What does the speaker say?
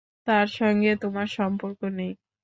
তার সঙ্গে তোমার সম্পর্ক নেই।